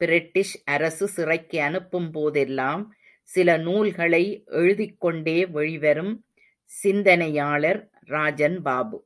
British அரசு சிறைக்கு அனுப்பும் போதெல்லாம், சில நூல்களை எழுதிக் கொண்டே வெளிவரும் சிந்தனையாளர் ராஜன் பாபு!